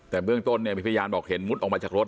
แต่เบื้องต้นเนี่ยมีพยานบอกเห็นมุดออกมาจากรถ